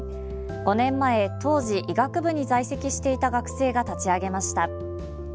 ５年前、当時医学部に在籍していた学生が立ち上げました。